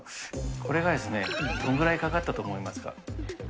これがですね、どのぐらいかかったと思いますか？